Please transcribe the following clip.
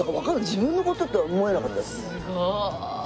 自分の事と思えなかったです。